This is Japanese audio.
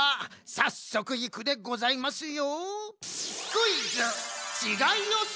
さっそくいくでございますよ。